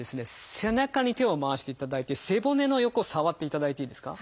背中に手を回していただいて背骨の横触っていただいていいですか。